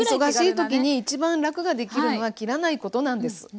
忙しい時に一番楽ができるのは切らないことなんです。